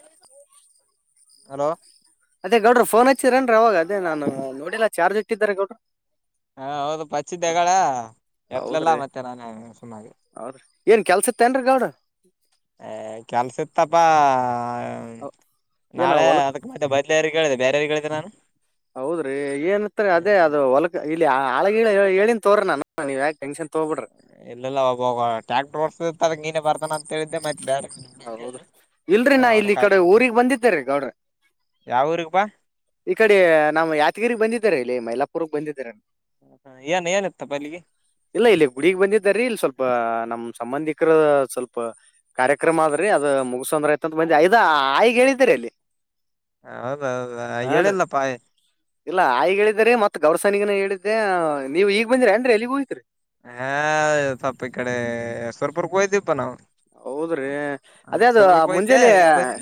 ಹ ಹಲೋ ಅದೇ ಗೌಡ್ರ ಫೋನ್ ಹಚ್ಚ ಚಿರೇನ್ರಿ ಅವಾಗ ಅದೇ ನಾನ ನೋಡಿಲ್ಲ ಚಾರ್ಜ್ ಇಟ್ಟಿದ್ದರೆ ಗೌಡ್ರ. ಹಾ ಹೌದು ಹಚ್ಚಿದ್ದಗಳ ಎತ್ಲಿಲ್ಲಾ ಹೌದ್ರಿ ಮತ್ತೆ ನಾನೇ ಸುಮ್ನಾದೆ. ಹೌದ್ರಿ ಏನ್ ಕೆಲ್ಸತ್ತೇ ನ್ರೀ ಗೌಡ. ಹ ಕೆಲಸ ಇತ್ತಪ ಹ್ಮ ಅವ್- ಏನ ನಾಳೆ ಹೊಲಕ್ ಅದಕ್ ಮತ್ತೆ ಬದ್ಲರಿ ಕೇಳಿದ ಬೇರೆ ಯಾರಿಗೆ ಕ ಹೇಳೇತೆ ನಾನು ಹೌದ್ರಿ ಏನತ್ ಅದೇ ಅದು ಹೊಲಕ ಇ ಆಳ ಗಿಳ ಹೇಳಿನ್ ತೋರ ನಾನ ನೀವ್ಯಾಕ್ ಟೆನ್ಶನ್ ತಗೋತೀರಾ ಇಲ್ಲೆಲ್ಲ ಒಬ್ಬ ಟ್ಯಾಕ್ಟರ್ ಓಡ್ಸಂಗೀನೇ ಬರ್ತ ಬಾ ಅಂತ ಹೇಳಿದ್ದೆ ಮತ್ತೆ ಬೇಡಾ ಹೌದ ಇಲ್ರಿ ನಾ ಇಲ್ಲಿ ಈ ಕಡೆ ಹೋಗ್ತಾನ ಊರಿಗ್ ಬಂದಿದ್ದೇ ರೀ ಗೌಡ್ರ ಯಾವ ಊರಿಗ್ ಬಾ ಈ ಕಡೆ ನಮ್ಮ ಯಾದಗಿರಿ ಬಂದಿದ್ದೆ ಇದ ಇಲ್ಲಿ ಮೈಲಾಪುರಗ್ ಬಂದಿದ್ದರೆ ಏನ್ ಏನಿತ್ತಪ್ಪ ಅಲ್ಲಿಗೆ ಇಲ್ಲ ಇಲ್ಲಿ ಗುಡಿ ಬಂದಿದ್ಯ ರಿ ಇಲ್ಲಿ ಸ್ವಲ್ಪ ನಮ್ ಸಂಬಂಧಿಕರ ಸ್ವಲ್ಪ ಕಾರ್ಯಕ್ರಮ ಕಾರ್ಯಕ್ರಮ ಆದ ರಿ ಮುಗಸಂದ್ರ ಆಯತ ಅಂತ ಬಂದಿ ಇದ ಆಯಿಗ್ ಹೇಳಿದೀ ಅಲ್ಲಿ ಹ ಹೌದೌದ ಹಾನ್ರಿ ಹೇಳಲ್ಲ ಪಾ ಆಯಿ ಗೌರಸನಿಗನ ಹೇಳಿದ್ದೆ ನೀವು ಈಗ್ ಬಂದ್ರರಿ ಅನ್ರಿ ಎಲ್ಲಿಗ್ ಹೋಗ್ತ್ರಿ ಹಾ ತಪ್ಪ ಈ ಕಡೆ ಸುರಪುರ ಹೋಗಿ ದೀಪ ನಾವು ಹೌದ್ರಿ ಹ ಅದೇ ಅದು ಸುರ್ಪುರ್ಕ್ ಹೋಗಿದ್ದೆ ಮುಂಜಲಿ ಈಗ ಬಂದಿನಿ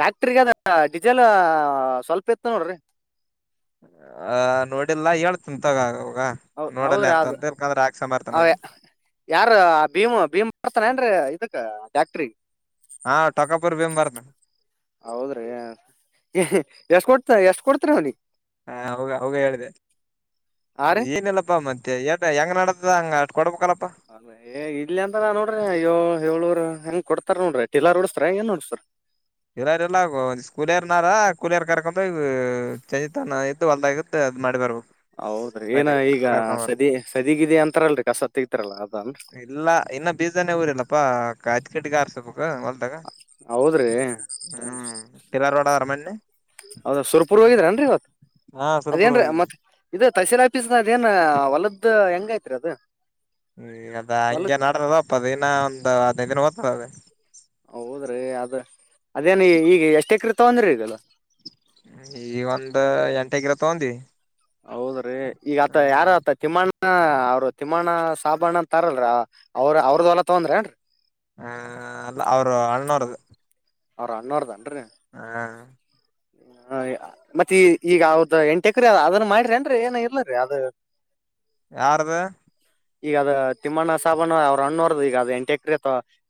ಟ್ಯಾಕ್ಟ್ರಗೆ ಅದ ಡೀಸೆಲ್ ಸ್ವಲ್ಪ ಇತ್ತು ನೋಡ್ರಿ ಆ ನೋಡಿಲ್ಲ ಹೇಳ್ತತನ ತಗೋ ಹೌದ ನೋಡಲ್ಲ ಹೌದ್ರಿ ಅದು ಅಂತಂದ ಇಲ್ಕಂದ್ರ ಹಾಕ್ಸೊಂಡ್ ಬರ್ತಾನ ಅವ ಹೋಗಿ ಯಾರ ಭೀಮ್ ಭೀಮ್ ಬರ್ತಾನ ಏನ ರೀ ಇದಕ್ ಫ್ಯಾಕ್ಟರಿ ಹಾ ಟೊಕಾಪರ್ ಬೀಮ್ ಬಾರತ ಹೌದ್ರಿ ಎಷ್ಟ್ ಕೊಡ್ತ ಎಷ್ಟ್ ಕೊಡ್ತರಿ ಅವನಿಗೆ ಹಾ ಹ ಅವಂಗ ಹೇಳಿದೆ ಆ ರೀ ಏನಲ್ಲಪ್ಪ ಮತ್ತ ಎ ಹೆಂಗ ನಡ್ದ ಹಂಗ ಅಷ್ಟ ಕೊಡಬಕಲ ಅ ಇಲಿ ಅಂತ ನಾ ನೋಡ್ರಿ ಅಯ್ಯೋ ಹೇಳೂರ ಹಂಗ್ ಕೊಡ್ತಾರ ನೋಡ್ರ ಟೀಲರ್ಹೊಡಿಸಿತೀರಾ ಹೆಂಗನ್ ಹೊಡಿಸ್ತೀರಾ ಇಲ್ಲಲ್ಲ ಕೂಲಿಯರ್ನಾರ ಕಕೂಲಿಯರ್ ಕರ್ಕೊಂಡ ಇದ್ದ ಹೊಲ್ದಾಗಿತ್ತು ಅದು ಮಾಡಿ ಬರಬೇಕು ಹೌದ್ರಿ ಏನ ಈಗ ಸದ ಸದಗಿದ ಅಂತಾರಲ್ರರಿ ಕಸತೆಗಿತಾರಲ್ಲ ಅದ ಇಲ್ಲ ಚೀಟಿಕಹಾಸಿರಬೇಕು ಹೊಲ್ದಾಗ ಹೌದ್ರೀ ಹ್ಮ್ ಟಿಲ್ಲರ್ ಹೊಡದಾರ ಮೊನ್ನೆ ಹೌದ ಸುರ್ಪುರ್ ಹೋಗಿದ್ರನ್ರಿ ಇವತ್ತು ಹಾ ಸುರಪುರ ಅದೇನ್ರೀ ಹೋದ್ವಿ ಮತ್ತ ಇದ ತಹಸೀಲ್ ಹಫೀಸ್ನ ಅದೇನು ಹೊಲದ್ ಹೆಂಗ ಐತ್ರಿ ಅದು ಹ್ಮ ಅದ ಹಿಂಗೆ ನಡ್ರದದಪ್ಪ ಅದು ಇನ್ನ ಹದಿನೈ ದಿನ ಹೋದಾತವೇ ಹೌದ್ರೀ ಅದ್ರ ಅದೇನ ಈಗ ಎಷ್ಟೇ ಎಕರೇ ತೊಂದ್ರೆ ಇದೆಲ್ಲ ಈ ಒಂದ ಎಂಟು ಎಕರೆ ತಕೊದೀವಿ ಹೌದ್ರೀ ಈಗ ಆತ್ತ ಯಾರ ಆ ತಿಮ್ಮಣ್ಣ ಹ ಅವ್ರು ತಿಮ್ಮಣ್ಣ ಸಾಬಣ್ಣ ಅಂತ ತಾರಲ್ರ ಅವ್ರ ಅವ್ರದ ಎಲ್ಲಾ ತಕೊಂದ್ರ ಹ ಅಲ್ಲ ಅವರು ಅಣ್ಣೋಹವರದು ಅವರ ಅಣ್ಣೋವರದ ಹ್ಮ್ ಹ ಮತ್ತೆ ಈ ಈಗ ಅವ್ದ ಎಂಟ್ ಎಕೆರೆ ಆದ ಅದನ್ ಮಾಡ್ರಿ ಅಏನ್ರಿ ಏನ ಇರ್ಲರಿರಿ ಅದ ಯಾರ್ದ ಈಗ ಅದ ತಿಮ್ಮಣ್ಣ ಸಾಬಾನು ಅವ್ರ ಅಣ್ಣೋರದ ಈಗ ಅದ್ ಎಂಟ ಎಕ್ರರೇ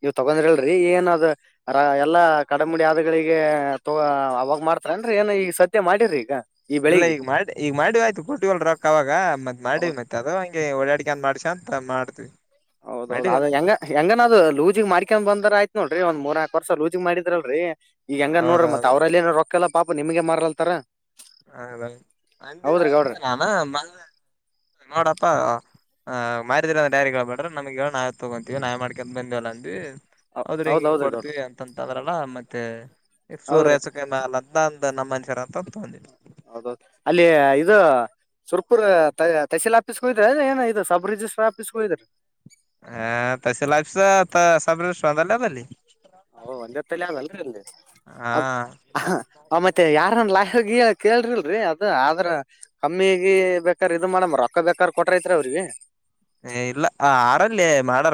ನೀವ್ ತಗೊಂಡ್ರಿ ಅಲ್ರರಿ ಏನ ಅದ ಎಲ್ಲಾ ಕಡಮುಡಿ ಆದಾದಗಳಿಗೆ ತೋ ಅವಾಗ ಮಾಡ್ತಾರರಿನ್ರಿ ಏನ ಈಗ ಸದ್ಯಮಾಡಿರಿ ಈಗ ಈ ಎಲ್ಲ ಬೆಳಿಗ್ ಈಗ ಮಾಡಿ ಈಗ ಮಾಡಿವವಿ ಆಯ್ತು ಕೊಟ್ಟಿಲ್ ರೊಕ್ಕ ಅವಾಗ ಮತ್ ಮಾಡ ಹೌದ್ ಮತ್ ಅದ ಹಂಗೆ ಓಡಾಡಿಕನ್ ಮಾಡ್ಸ ಅಂತ ಮಾಡ್ತವಿ ಹೌದೌದದು ಅದ ಹೆಂಗ ಹೆಂಗನದು ಲೂಜಿಗ್ ಮಾಡಿಕೊಂಡಿ ಬಂದಾರ ಆಯ್ತು ನೋಡ್ರಿ ಒಂದ ಮೂನಾಕ್ ವರ್ಷ ಲೂಚಿಗೆ ಮಾಡಿದ್ರಲ್ರರಿ ಈಗ ಹೆಂಗ ನೋಡ್ರಿ ಮತ್ತತ್ ಹೌದೌದು ಅವ್ರಲ್ಲ ಏ ರೊಕಲ್ಲ ಪಾಪ ನಿಮಗೆ ಮಾರ್ಲ್ತಾರ ಹದಂಗ ಗೌಡ್ರಿ ನೋಡಪ್ಪ ಹ್ ಮಾರಿದಿರ ಅ ಡಾರಿಗಳು ಬಡ್ರ ನಮ್ಗೆ ನಾವ್ ತಗೊಂತೀವಿ ನಾವ್ ಮಾಡ್ಕಂತ ಬಂದವಲ್ಲ ಅಂದ ಹೌದ್ರ ಹೆಂಗ ಹೌದ್ ಹೆಂಗ ಹೌದ್ರಿ ಗೌಡ್ರಿ ಕೊಡದ್ವಿ ಅಂತಂತ ಅಂದ್ರಲ್ಲ ಮತ್ತೆ ಹೌದ್ರಿ ಮತ್ತೆ [inaudible] ನಮ್ಮ ತಕೊಂಡ್ರಿ ಹೌದ ಅಲ್ಲಿ ಇದು ಸುರ್ಪುರ್ ತಹಸೀಲ್ ಆಫೀಸ್ಗೂ ಇದ್ರ ಅ ಏನ ಇದು ಸಬ್ ರಿಜಿಸ್ಟರ್ ಆಫೀಸ್ಗೂ ಇದ್ದಾರೆ ಆ ತಾಶೀಲ್ ಆಫೀಸ್ ಆ ಸಬ್ ರಿಜಿಸ್ಟರ್ ಅದೆಲ್ಲ ಅಲ್ಲಿ ಓ ಒಂದ್ತಲ್ಲಿ [unintelligible] ಹಾ ಅಲ್ ಮತ್ತೆ ಲಾಗ ಕೇಳ್ರಿಲ್ರರಿ ಅದ ಆದ್ರ ಕಮ್ಮಿಗೆ ಬೇಕಾರ ಇದು ಮಾಡಮ್ಮ ರೊಕ್ಕ ಬೇಕಾರ ಕೊಟ್ರೈತ್ರಿ ಅವ್ರಿಗೆ ಇಲ್ಲ ಆರಲ್ಲಿ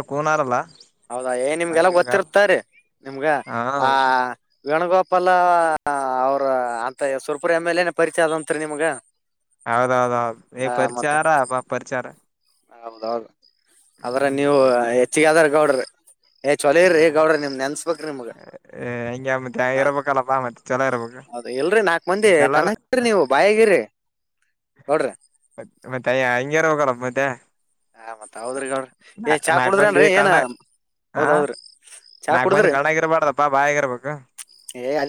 [unintelligible] ಹೌದಾ ಹೇಯ್ ನಿಮ್ಗೆಲ್ಲ ಹಂಗಂಗ ಗೊತ್ತಿರುತ್ತೆ ತಗೋರಿ ನಿಮ್ಗ ಹಾ ಆ ವೇಣುಗೋಪ ಪಲ್ಲಾ ಅವ್ರ ಅಂತ ಸುರ್ಪುರ ಎಮ್ ಎಲ್ ನೆ ಪರಿಚಯ ಅದಂತ್ರಿ ನಿಮ್ಗ ಹೌದೌದೌದು ಹಾ ಆ ಮತ್ತೆ ಪರಿಚಾರ ಪರಿಚಾರ ಹೌದೌದು ಆದದ್ರ ನೀವು ಹೆಚ್ಚಿಗೆದಾರ್ ಗೌಡ್ರಿ ಏ ಚೊಲೋ ಇರ್ರಿ ಹಾ ಗೌಡ್ರಿ ನಿಮ್ ನೆನ್ಸ್ಬೇಕ್ರಿ ನಿಮ್ಗ ಹೆಂಗೆ ಮತ್ತೆ ಹ ಇರಬೇಕಲ್ಲಪ್ಪಾ ಮತ್ತೆ ಚಲೋ ಇರಬೇಕ ಹೌದ ಇಲ್ರರಿ ನಾಕ್ ಮಂದಿ ಕನಸ್ರಿ ನೀವು ಬಾಯಗಿರಿ ಗೌಡ್ರಿ [unintelligible] [unintelligible] ಹಾ ಮತ್ ಹೌದ್ರಿರಿ ಏ ಚಾ ನಾಕ್ ಕುಡುದ್ರಿ ಮಂದಿ ಏನಾ ಏನ ಕಣ್ಣಾಗ ಹ ಹೌದೌದ್ರಿ ಚಾ ನಾಕ್ ಮಂದಿ ಕುಡುದ್ರಿ ಕಣ್ಣಾಗ ಇರಬಾರ್ದಪ್ಪಾ ಬಾಯಾಗಿರ್ಬೇಕು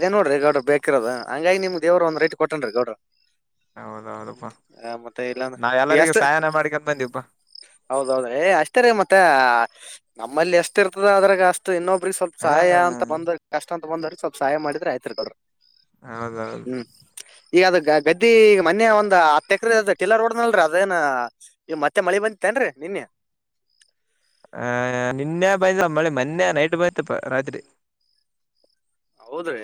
ಹೇ ನೋಡ್ರಿ ಗೌಡ್ರು ಬೇಕಿರೋದು ಹಂಗಾಗಿ ನಿಮ್ಗೆ ದೇವರು ಒಂದ್ ರೆಟ್ ಕೊಟೇನ್ ಗೌಡ್ರ ಹೌದೌದಪ್ಪಾ ಹ ಮತ್ತೆ ಇಲ್ಲಾಂದ್ರ ನಾವ ಎಲ್ಲರಿಗ ಸಹಾಯನ ಮಾಡ್ಕೊಂಡ ಬಂದಿವಪ್ಪಾ ಹೌದೌದು ಹೇ ಅಷ್ಟೇ ರೀ ಮತ್ತೆ ನಮ್ಮಲ್ಲಿ ಎಷ್ಟ ಇರ್ತದ ಅದ್ರಾಗ ಅಷ್ಟು ಇನ್ನೊಬ್ ಸ್ವಲ್ಪ ಹಾ ಸಹಾಯ ಅಂತ ಬಂದ್ರ ಕಷ್ಟ ಒಂದ್ರ ಸ್ವಲ್ಪ ಸಹಾಯ ಮಾಡಿದ್ರ ಅಯ್ತ್ರಿ ಗೌಡ್ರೆ ಹೌದೌದು ಈಗ ಅದ ಗದ್ದಿ ಈಗ ಮನಿ ಒಂದ್ ಹತ್ ಎಕರೆ ಅ ಟಿಲ್ಲರ್ ಹೊಡಿದ್ನಲ್ಲ ಅದೇನ ಈ ಮತ್ತ ಮತ್ತೆ ಮಳಿ ಬಂದತೇನ್ರೀ ನಿನ್ನೆ ಹಾ ನಿನ್ನೆ ಬಯ ಅಮ್ಮಳಿ ಮೊನ್ನೆ ನೈಟ್ ಬಯತಪ್ಪ ರಾತ್ರಿ ಹೌದ್ರೆ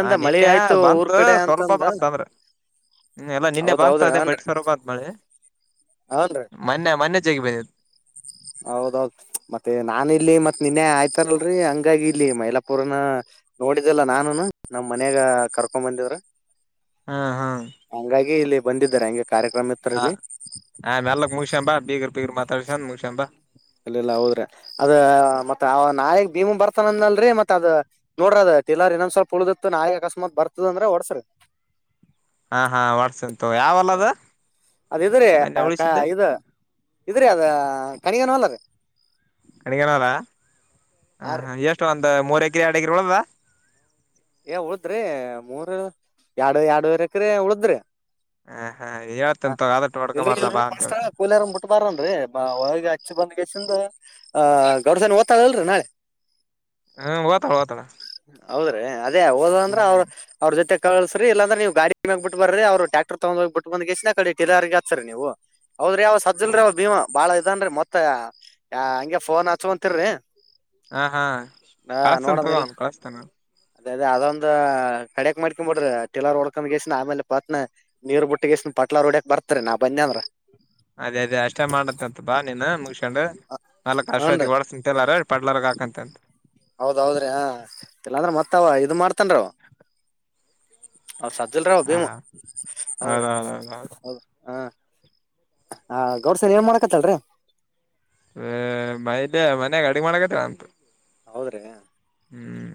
ಹಾ ನಿನ್ನೆ ಬಂತು ಸ್ವಲ್ಪ ಅಂತಂದ ಬಂತ ಅಂದ್ರ ಹ್ಮ್ ಎಲ್ಲ ನಿನ್ನೆ ಬಂತು ಹೌದೌದ್ರಿ ಅದೇ ಬಡ್ ಹನ್ರಿ ಸಾರ ಬಂತ ಮಳಿ ಹನ್ರಿ ಮೊನ್ನೆ ಮೊನ್ನೆ ಜಗಿ ಬಂದು ಹೌದೌದ್ ಮತ್ತೆ ನಾನ ಇಲ್ಲಿ ಮತ್ತ್ ನಿನ್ನೆ ಆಯ್ತಾರಲ್ರರಿ ಹಂಗಾಗಿ ಇಲ್ಲಿ ಮೈಲಾಪುರನ ನೋಡಿದ್ದಲ್ಲ ನಾನುನು ನಮ್ ಮನ್ಯಾಗ ಕರ್ಕೊ ಬಂದಿವ್ರ ಹಾ ಹಾ ಬಂದಿದ್ದಾರೆ ಹಂಗೆ ಕಾರ್ಯಕ್ರಮ ಇತ್ತರ್ ಇಲ್ಲಿ ಹಾ ಮೆಲ್ಲಕ್ಕೆ ಮುಗಿಸ್ಕೊಂಡು ಬಾ ಬೀಗರ್ ಬೀಗರ್ ಮಾತಾಡ್ಸಂದ ಮುಗಸಂಬಾ ಇಲ್ಲ ಇಲ್ಲ ಹೌದ್ರಿ ಅದ ಮತ್ ನಾಯಿಗ್ ಭೀಮು ಬರ್ತಾನಂದ ಅಲ್ರಿ ಮತ್ ಅ್ ನೋಡ್ರ ಅದ ತಿಲರ್ ಇನ್ನೊಂದ್ ಸ್ವಲ್ಪ ಉಳ್ದ ನಾಯಿ ಅಕಸ್ಮಾತ್ ಬರ್ತದ ಅಂದ್ರ ಓಡಸ್ರಿ ಹಾ ಹಾ ಹೊಡ್ಸನ ಅದು ಇದ್ರಿ ಮೊನ್ನೆ ಉಳಿಸಿದ್ದೆ ಇದು ಇದ್ರಿ ಅದ ತನಿಗನ ಹೊಲ ರೀ [unintelligible] ಹಾ ಹಾರಿ ಹಾ [unintelligible] ಮೋರಕಿರಿ ಆಡಕ ಒಳದ ಏ ಉಳದ್ರಿ ಮೂರ್ ಎರಡು ಎರಡುವರಕ್ರೆ ಉಳದ್ರಿ ಹ್ ಹಾ ಹ ಹೇಳ್ತನ್ಂತ ತಗ ಅದಟ್ಟು ಹೊಡ್ಕೊ ಮಾರನ ಬಾ ಅಂತ ಹೇಳ್ತ ಬರನ್ರರಿ ಹೊಗೆ ಹಚ್ಚಿ ಬಂದ್ಗೆಚ್ಚಂದು ಆ ಗೌಡ್ಸನ ಓ್ತದಲ್ರರಿ ನಾಳೆ ಹ್ಮ್ ವತಾಳ ವತಾಳ ಹೌದ್ರೆ ಅದೇ ಹೋದ ಅಂದ್ರ ಅವ್ರ ಅವ್ರ ಜೊತೆ ಕಳಸ್ರರಿ ಇಲ್ಲಂದ್ರೆ ನೀ ಗಾ ಮೆ ಬಿಟ್ಟ ಬ್ರಿ ಅವರು ಟ್ಯಾಕ್ಟ ತಗೊಂಡ ಹೋಗಬ ಬಿಟ್ಟ ಬಂದ ಕಡೆ ಟಲರ್ ಹತ್ರಿ ನೀವು ಹೌದ್ರ ಅವ ಸಜ್ಲ್ೀ ಅವ್ ಭೀಮ ಬಾಳ ಅನ್ರಿ ಮತ್ತ ಹಗೆ ಫೋನ್ ಹಚ್ುವಂತಿರರಿ ಹಾ ಹಾ ಕಳಸ್ತನ್ ನೋಡಂಗಿಲ್ಲ ತಗೋನ್ ಕಳಸ್ತಾನ ಅದೇ ಅದ ಅದೊಂದು ಕಡಕ್ ಮಾಡ್ಕೊಂಬ ಬಿಡ್ರಿ ಟಲರ್ ಹೊಡ್ಕ್ ಎಷ್ಟ ಆಮೇಲೆ ಪತ್ನ ನೀರ್ ಬಿಟ್ಟ ಗಷ್ಟ ಪಟ್ಲ ಡಕಕ್ ಬರ್ತಾರ ನಾ ಬಂದ ಅಂದನ್ ಅದೇ ಅದೇ ಅಷ್ಟೇ ಮಾಡತ್ ಅಂತ ಬಾ ನೀನ್ ಮುಗಸಕೊಂಡ್ ನಲ್ಕ್ ಅರ್ತ್ತತಿ ಒಡಸಂತಲ್ಲಾರ ಹೌದೌದ್ರಿ ಇಲ್ಲಾಂದ್ರ ಮತ್ತ ಅವ ಇದ ಮಾಡ್ತನ್ ಹ ಸ್್ದಲ್ರಾವ್ ಹಾ ಭೀಮು ಹೌದ್ರಿ ಹೌದೌದೌದೌದು ಹೌದ್ರ ಹ ಹಾ ಗೌಡ್ಸನ ಏನ್ ಮಾಡಕತ್ತಲ್ರಿ ಹ ಮೈ್ದೆ ಮನ್ಯಾಗ ಅಡಿ ಮಾಡಕತ್ತ ಅಂತ ಹೌದ್ರಿ ಹ್ಮ್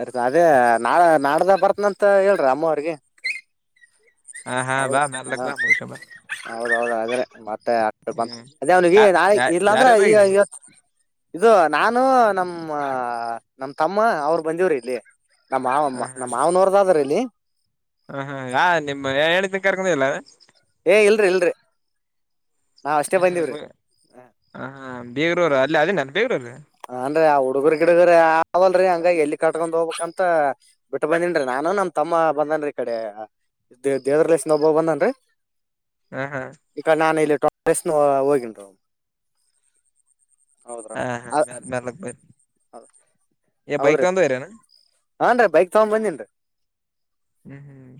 ಅರಿತ ಅದೇ ನಾಳ ನಾಡ್ದ ಬರ್ತ್ನಂತ ಹೇಳ್ರಿ ಅಮ್ಮ ಅವ್ರಿಗೆ ಹಾ ಹಾ ಹೌದ ಬಾ ಮೆರ್ಲಕ್ ಹ ಬಾ ಮುಗಸ್ಕೊಂಡ್ ಬಾ ಹೌದೌದು ಅ್ರೆ ಮತ್ತೆ ಅ ಬಂತ ಹ್ಮ್ ಅದೇ ಅವ್ನಿಗೆ ಯ ನಾ ಯ ಇರ್ಲಾ ಅಂದ್ರೆ ಯಾರಾರ ಈಗ ಹೋಗಿರಿ ಇವತ್ತು ಇದು ನಾನು ನಮ್ಮ ನಮ ತಮ್ಮ ಅವರು ಬಂದವ್ರಿ ಇಲ್ಲಿ ನಮ್ಮ್ ಮಾವಮ್ಮ ನಮ್ಮ್ ಮಾವನವ್ರದಾದ್ರೀ ಅಲ್ಲಿ ಹ ಹಾ ಹಾ ನಿಮ್ಮ ಹೇಳಿದನ ಕರ್ಕೊಂಡಿಲ್ಲ ಏ ಇಲ್ರಿ ಇಲ್ರಿ ನಾವ ಅಷ್ಟೇ ಹ ಬಂದವ್ರಿ ಹಾ ಬೀಗ್ರೂರು ಅಲ್ಲಿ ಅದೇನನ್ ಬೀಗ್ರೂರು ಹನ್ರಿ ಆ ಹುಡುಗರ ಗಿಡಗರ ಅವಲ್ರಿ ಹಂಗ ಎಲ್ಲಿ ಕಟ್ಕೊಂಡ್ ಹೋಗ್ಬೇಕಕ್ ಅಂತ ಬಿಟ್ಟ ಬಂದೇನ್ೀ ನಾನು ನಮ ತಮ್ಮ ಬಂದೇನ್ೀ ಈ ಕಡೆ ದೇ ದೇವ್ರ ಲೇಶ ಒಬ್ಬೋಗ ಬಂದನ್ೀ ಹ ಹಾ ಈ ಕ ನಾನ ಇಲ್ಲ ಪ್ರಟ ಟ ಹಾ ಹಾ ಮ ಮ ಯ ಬೈಕ್ ಬಂದು ಇರನು ಹಾನ್ೀ ಬೈಕ್ ತಗೊಂಡ್ ಬಂದಿನ್ರಿ ಹ್ಮ್ ಹ್ಮ್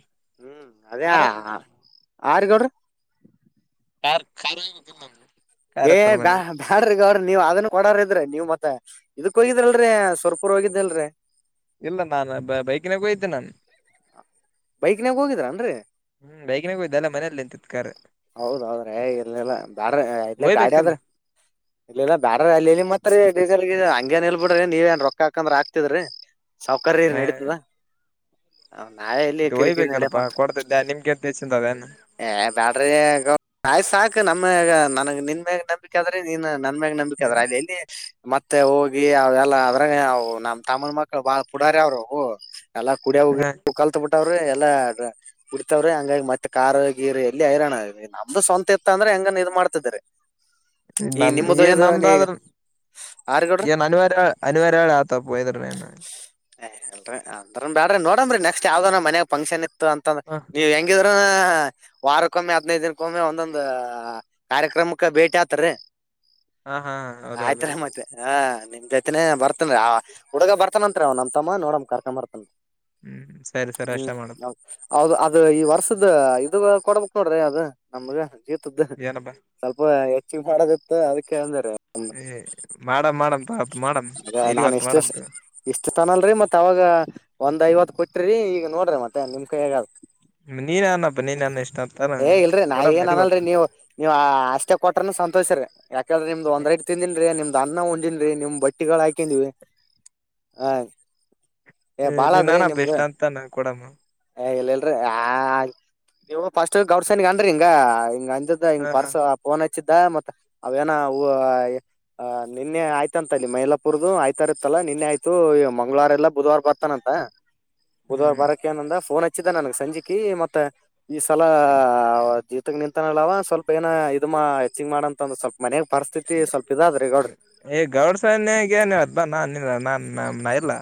ಕಾರಾರ [unintelligible] ಆರ್ಗಡ ಯ ಕಾರಾರಬೇಕ ಕ ನ [inaudible] ಏ ಬ್ಯಾ ಬ್ಯಾಡ್ರಗ ಅವ್ರಿ ನೀವ್ ಅದನ್ ಕೊಡ್ರ ಇದ್ರಿ ನೀವ್ ಮತ್ತ ಇದಕ್ ಹೋಗಿದಲ್ರರಿ ಸವರ್ಪೂರ್ ಹೋಗಿದ್ದಲ್ರರಿ ಇಲ್ಲ ನಾನ ಬ ಬೈಕಿನಾಗೂಯ್ದೆ ನಾನು ಬೈಕ್ನಾಗ ಹೋಗಿದ್ರ ಅನ್ರಿ ಹ್ಮ್ ಬೈಕಿನಾಗ ಹೋಯ್ದ ಅಲ್ಲ ಮನೇಲಿ ನಿಂತಿತ್ ಕಾರ್ ಹೌದೌದ್ರೆ ಇಲೆಲ್ಲಾ ಬ್ಯಾಡ್ರ ಇ ಗಾಡಿ ಒಯ್ಬೇಕಲ್ಲ ಆದ್ರ ಇಲ್ಲಲ್ಲಾ ಬೇಡ್ರ ಅಲ್ಲ ಮತ್ತರಿ ಹಂಗೇಏನಳ್ ಬಿಡ್ರಿ ನೀವ ಏನ್ ರೊಕ್ಕ ಹಾಕಂದ್ರ ಆಕ್ತಿದ್ರಿ ಸೌಕರ್ಯರಿ ಹ ನಡೀತದ ಹ ನಾವ ಎಲ್ಲಿ ಮೆ ಒಯ್ಬೇಕಾರಪ್ಪಾ ಕೊಡ್ತಿದ್ದೆ ನಿಮ್ಗೆ ಅಂತ ಹೆಚ್ಚಂತ ಅದೇನು ನಯ್ ಸಾಕು ನಮ್ಮಗ ನನಗ್ ನಿನ್ ಮೇಗ ನಂಬಿಕೆ ಆದ್ರೆ ನೀನ್ ನನ್ ಮ್ಯಾಗ ನಂಬಿಕ ಅದ್ರ ಅಲ್ ಎಲ್ಲಿ ಮತ್ತೆ ಹೋಗಿ ಅವೆಲ್ಲ ಅದ್ರವು ನಮ್ ತಮಿಳ್ ಮಕ್ಕಳ ಬಾಳ ಪುಡಾರೆ ಅವರು ಎಲ್ಲ ಕುಡಿಯಗಿ ಹ ಕಲ್ತ್ಬಿತ್ ವ್ರಿ ಎಲ್ಲಾ ಕುಡಿತವ್ರಿ ಹಂಗಾಗಿ ಮತ್ತೆ ಕಾರ್ ಗಿರಿ ಎಲ್ಲಿ ಹೈರಾಣ ನಮ್ದು ಸ್ವಂತ ಇತ್ತ ಅಂದ್ರೆ ಹಂಗನ್ ಇರ್ ಮಾಡ್ತಿದರಿ ನ ನ್ ನಂದ ಆದ್ರ ಆರ್ಗಡ್ರಿ ನ್ ಅನಿವಾರ ಅನಿವಾರಳ ಆತ ವಯದರ್ ರೆನ ಏ್ಲ್ರರಿ ಅಂದ್ರನ್ ಬಡ್ರ ನೋಡನ್ರಿ ನೆಕ್ಸ್ಟ್ ಯಾವ್ದದ ನ ಮನಗ ಫಂಕ್ಷನ್ ಇ ಅಂತಂದ ಹ ನೀವು ಹೆಂಗಿ ವಾರಕ್ಕೊಮ್ಮೆ ಹದ್ನೈದು ದಿನಕ್ಕೊಮ್ಮೆ ಒಂದೊಂದ ಕಾರ್ಯಕ್ರಮಕ್ಕೆ ಭೇಟಿ ಆತೀ ರಿ ಹಾ ಹಾ ಹೌದೌದು ಆಯ್ತರ ಮತ್ತೆ ಹಾ ನಿಮೈತನನೆ ಬರ್ತದ ಹುಡುಗ ಬರ್ತಾನಂ ಅವ್ ನ ಅ ತಮ್ಮ ನೋಡ್ ಕರ್ಕೊಂಬರ್ತಾನ್ ಹ್ಮ್ ಸರಿ ಸರಿ ಹ್ಮ್ ಅಷ್ಟ ಮಾಡಪ್ಪ ಹೌದು ಹೌದು ಅದು ಈ ವರ್ಷದ ಇದು ಕೊಡ ಬ್ ನೋಡ್ರಿ ಅದು ನಮ್ಗೆ ತ ಏನಪ್ಪಾ ಸ್ವಲ್ಪ ಹೆಚ್ಚಿಗೆ ಮಾಡದತ್ತ ಅದಕ್ಕೆಂದರೆ ಏ ಮಾಡಮ್ ಮಾಡಮ್ ತಗೋ ಮಾಡಮ್ ಎಲ್ಲಿಗ್ ನಾನ ಹೊತ್ ಎಷ್ಟೇ ಮಾಡಮ್ ತಗೋ ಅಷ್ಟ ತನಲ್ರರಿ ಮತ್ ಅವಾಗ ಒಂದ್ ಐವತ್ತು ಕೊಟ್ರಿ ಈಗ ನೋಡ್ರಿ ಮತ್ತೆ ನಿಮ್ ಕೈಗ ಅದ ಮಿಲ್ ಏ ಇಲ್ರಿ ನಾ ಕೊಡಮ್ಮ ಏನ್ ಎಲ್ಲಿಗ್ ಹೊತ್ ಅನಲ್ರಿ ನೀವು ನೀವ್ ಅಷ್ಟೇ ಕೊಟ್ರನು ಸಂತೋಷ್ರಿ ಯಾಕ್ರ ನಿಮ್ದ ಒಂದೈಟ್ ತಿಂದಿನನ್ರಿ ನಿಮ್ ಅನ್ನ ಹೊಂದನ್ರಿ ನಿಮ್ ಬಟ್ಟಿಗಳು ಹಾಕಿದಿನಿವಿ ಆ ನೀನ್ ನಾನಪ್ಪ ಎಷ್ಟ ಅಂತ ನ ಕೊಡಮ್ಮ ಹ ಇಲ್ಲಲ್ರರಿ ಆ ನೀವು ಫಸ್ಟ್ ಗೌರ್ಸನಗ ಅನ್ರಿ ಹಿಂಗ ಹಿಂಗ ಹ್ ಹ ಹಾ ಪರ್ಸ್ಫೋನ್ ಚ್ಚಿದ್ದ ಮತ್ತ ಅವೇನ ನಿನ್ನೆ ಆಯ್ತಂತ ಇಲ್ಲಿ ಮೈಲಾಪುರದು ಆಯ್ತ ಇತ್ತಲ್ಲ ನಿನ್ನೆ ಆಯ್ತು ಮಂಗ್ವಾರ ಎಲ್ಲಾ ಬುಧವಾರ ಬರ್ತಾನಂತ ಬುಧವಾರ ಹ್ಮ್ ಬಾರಕ್ಕೆ ಏಂದ ಫೋನ್ ಹಚ್ ಚ್ಚಿದ ನನ್ಗ್ ಸಂಜಿಕೆ ಮತ್ತೆ ಈ ಸಲ ಜೀತಕ್ ನಿಂತನಲ್ಲವ ಸ್ವಲ್ಪ ಏನ ಇ ಮಾ ಹೆಚ್ಚಿಂಗ ಮಾಡಂತ ಒಂದ ಸ್ವಲ್ಪ ಮನೆಗ್ ಗೌಡ್ ಸನ್ಯಗೆನ ಹದಬ ನಾನ್ ಇಲ್ಲ ನಾನ್ ನ ನ ಇಲ್ಲ.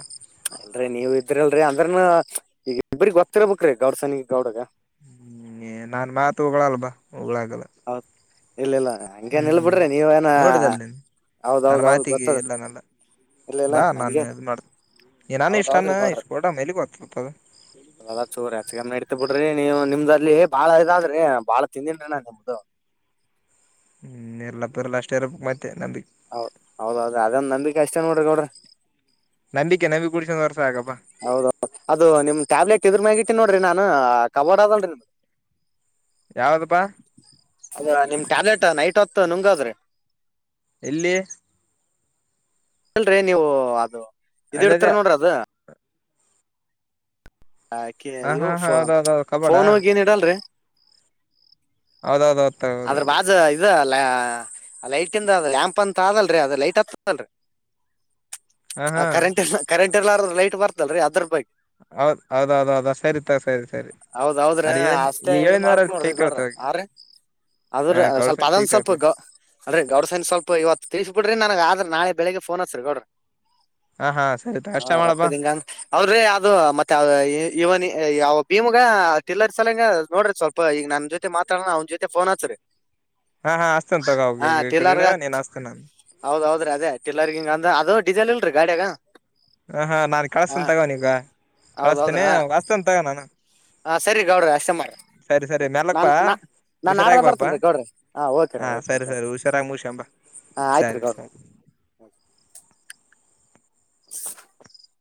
ಅಲ್ರೀ ನೀವ ಇದ್ರಲ್ರರಿ ಅಂದ್ರನ ಈಗ ಇಬ್ರಿಗೆೊತ್ತಿರ್ಬೇಕ್ರಿ ಗೌಡ್ ಸನಿಗ ಗೌಡಗ. ಹ್ಮ ನಿ ನನ್ ಮಾತ್ ಹೋಗಳಲ್ ಬಾ. ಒಳಗಲ್ಲ. ಹೌದ್ ಇಲ್ಲ ಇಲ್ಲ ಹಂಗೇನ್ ಇಲ್ ಬಿಡ್ರಿ ನೀವ ಏನ ನೋಡಿದಲ್ ನೀನ್ ನನ್ನ ಹೌದೌದೌದ್ ಮಾತಿಗೆ ಗೊತ್ತದ ಇಲ್ಲನಲ್ಲ ಇಲ್ಲ ಇಲ್ಲ ಬಾ ಹಂಗೇ ನಾನು ಇದ್ ಮಾಡ ನಾನ ಇಷ್ಟಾನ ಹೌದೌದ್ರಿ ಗೌಡ್ರಿ ಇಷ್ಟ ಕೊಡ ಮೇಲಿ ಗೊತ್ತತದ ಚುರ್ ಹೆಚ್ಚಗನ್ ಇಡ್ತ ಬಿಡ್ರಿ ನೀ ನಿಮ್ದ. ಅಲ್ಲಿ ಬಾಳ ಇದಾದ್ರಿ ಬಾಳ ತಿಂದಿನರಣ. ಹ [unintelligible] ಹ್ಮ ಎಲ್ಲಪ್ಪರ್ಲ್ಲ ಅಷ್ಟ ಇರ ಮತ್ತೆ. ತ್ತೇ ನಂಬಿ ಹೌದ್ ಹೌದೌದು ಅದನ್. ಕೆನ ಕುಡ [unintelligible] ಹೌದೌದು ಅದು ನಿಮ್ ಟ್ಯಾಬ್ಲೆಟ್ ಇದ್ರಮ್ಯಗ ಇಟ್ಟಿನ ನೋಡ್ರಿ ನಾ. ನ ಅ ಕಬಡ್ ಆದಲರಿ ಅದು. ಯಾವ್ದಪ್ಪಾ ಅದ ನಿಮ್ ಟ್ಯಾಬ್ಲೆಟ್. ನೈಟ್ ಹೊತ್ ನುಂಗಾದ್ರಿ. ಇಲ್ಲಿ. ಹೇಳಿಲ್ರಿ ನೀವು ಅದು. ಇದ ಅದೇ ಇಡ್ತಾರ ಅದೇ ನೋಡ್ರಿ ಅದ. ಹ ಹಾಕಿರು ಹಾ ಹಾ ಫೋನ ಹೌದೌದೌದು ಕಬಾಡ ಫೋನ್ ಹೋಗಿ ಏನ್ ಇಡಲ್ರಿ. ಹೌದೌದೌದು. ಆದ್ರ ಬಾಜ ಇದಲ್. ಅ ಲೈಟಿಂದ ಅ ಲ್ಯಾಂಪ ಅಂತ ಅದಲ್ರಿ ಅದ ಲೈಟ್ ಹತ್ತದಲ್ರಿ. ಹ ಆ ಹಾ ಕರೆಂಟ್ ಇರ್ಲ ಕರೆಂಟ್ ಇರ್ಲರ್ದ. ಲೈಟ್ ಬರ್ತದಲ್ರಿ ಅದ್ರ ಬಗ್. ಹೌದ್ ಹೌದೌದೌ [unintelligible] ದ ಸರಿ ತ ಸರಿ ಸರಿ ಹೌದೌದ್ರಿ ಅದ ಏಳ ಅಷ್ಟೇ ಇದ್ ಏಳಿನ ಮಾಡ್ಬೇಕ್ ನೋಡ್ರಿ ಗೌಡ್ರ ವಾರೇಗತಳತಿ ಆರಿ ಅದ್ರ ಸ್ವಲ್ಪ ಅದಂದ ಸ್ವಲ್ಪ ಗೌ ಅದ ಗೌಡ ಸನ ಸ್ವಲ್ಪ ಇವತ್ತ ತಿಳಿಸಿಬೀಟ್ಟ. ನೋಡ್ರೀ ನನಗ್ ಆದ್ರ ನಾಳೆ ಬೆಳಗ್ಗೆ ಫೋನ ಹಚ್ರಿ ಗೌಡ್ರ. ಹಾ ಹಾ ಸರಿ ಹ ಅಷ್ಟ ಮಾಡಪ್ಪಾ ರೊಕ್ಕದ ಹಿಂಗ ಅವ್ರೀ ಅದ ಮತ್ತ ಇವನಿ. ಯಾವ್ ಭೀಮುಗ ತಿಲ್ಲರ್ ಸಲಂಗ ನೋಡ್ರಿ ಸ್ವಲ್ಪ ಈಗ ನನ್ನ ಜೊತೆ ಮಾತಾಡಣ ಅವ್ನ ಜೊ ಫೋನ್ ಹಚ್ ರೀ. ಹಾ ಹಾ ಹಸ್ತನ್ ತಗೋ ಹ ಈ ಕಡೆ ಇಡ ಟಿಲ್ಲರ್ಗ ನೀನ್ ಹಸ್ತೇನ ಹೌದೌದ್ರಿ ಅದೇ ಟಲರ್ಗಿಂಗಂದ ಅದು. ಡೀಸೆಲ್ರರಿ ಗಾಡ್ಯಗ. ಹ ಹಾ ನಾನು ಕಳಸ್ತಿನ ತಗೋ ಅವನೀಗ ಹೌದ್ ಹೌದ್ರಿ ಕಳಸ್ತಿನಿ ಹಾ ಹಸ್ತನ ತಗೋ ನಾನ. ಹಾ ಸರಿ ಗೌಡ್ರ ಅಷ್ಟೆ ಮಾಡ್ರಿ ಸರಿ ಸರಿ ಮ್ಯಾಲಕ್ ನಾನ್ ಬಾ ನಾ ನಾನ್ ನಾಡದ ಹುಷಾರಾಗಿ ಬಾಪಾ ಬರ್ತೇನ್ ರೀ ಗೌಡ್ರಿ ಹ ಓಕೆ ರಿ. ಹಾ ಕೆ ಸರಿ ಗೌ ಸರಿ ಹುಷಾರಾಗಿ ಮುಗಸ್ಕೊಂಬಾ ಹ ಆಯ್ತ್ ರೀ ಸರಿ ಗೌಡ್ರ. ಸರಿ [inaudible]